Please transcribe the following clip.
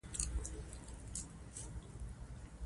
هنر انسان ته د ژوند مانا او د کائناتو د اسرارو خوند ورښيي.